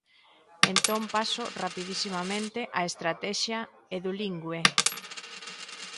Entón paso rapidisimamente á estratexia Edulingüe.